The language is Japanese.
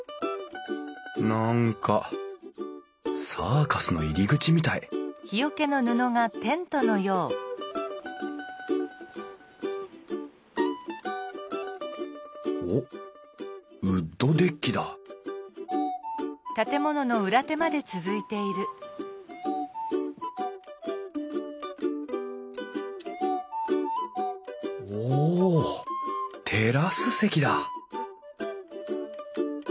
何かサーカスの入り口みたいおっウッドデッキだおテラス席だ